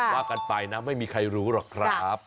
ว่ากันไปนะไม่มีใครรู้หรอกครับ